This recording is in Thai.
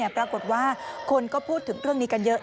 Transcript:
ปรากฏว่าคนก็พูดถึงเรื่องนี้กันเยอะ